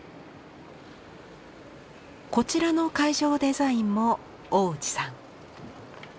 こちらの会場デザインもおおうちさん。